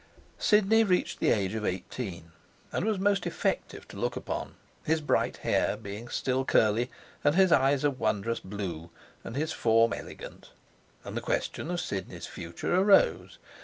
Sidney reached the age of eighteen, and was most effective to look upon, his bright hair being still curly, and his eyes a wondrous blue, and his form elegant; and the question of Sidney's future arose.